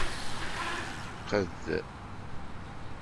Qqed.